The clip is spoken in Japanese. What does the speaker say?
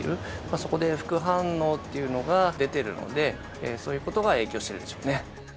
そこで副反応っていうのが出てるので、そういうことが影響しているでしょうね。